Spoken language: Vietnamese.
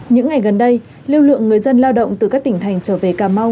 những ngày gần đây lưu lượng người dân lao động từ các tỉnh thành trở về cà mau